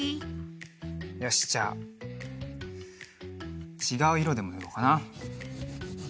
よしじゃあちがういろでもぬろうかな。